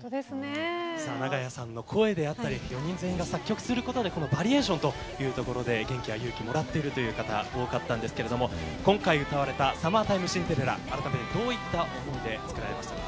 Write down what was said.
長屋さんの声であったり４人全員が作曲することのバリエーションで元気や勇気をもらってる方多かったんですが今回のサマータイムシンデレラどういった思いで作られましたか。